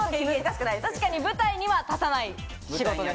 確かに舞台には立たない仕事です。